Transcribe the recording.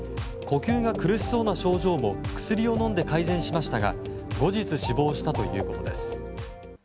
呼吸が苦しそうな症状も薬を飲んで改善しましたが後日、死亡したということです。